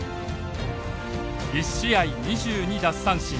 １試合２２奪三振。